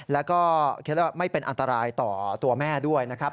แล้วก็คิดว่าไม่เป็นอันตรายต่อตัวแม่ด้วยนะครับ